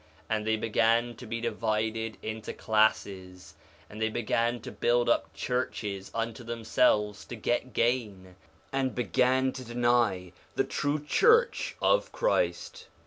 4 Nephi 1:26 And they began to be divided into classes; and they began to build up churches unto themselves to get gain, and began to deny the true church of Christ.